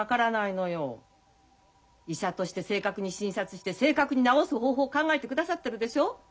医者として正確に診察して正確に治す方法を考えてくださってるでしょ。